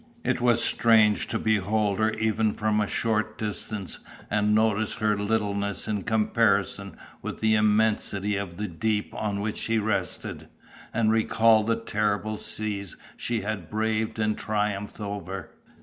It was strange to behold her even from a short distance and notice her littleness in comparison with the immensity of the deep on which she rested, and recall the terrible seas she had braved and triumphed over.